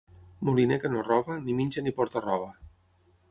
Moliner que no roba, ni menja ni porta roba.